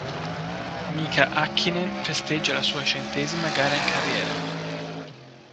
Mika Häkkinen festeggia la sua centesima gara in carriera.